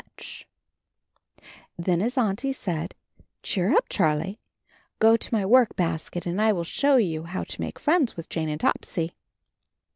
Then his Auntie said, "Cheer up, Charlie; go to my workbasket and I will show you how to make friends with Jane and Topsy."